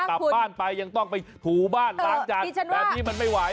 กลับบ้านไปยังต้องไปถูบ้านล้างจานแบบนี้มันไม่ไหว